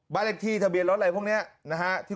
บิเล็กที่ทะเบียร์รถไลน์พวกนี้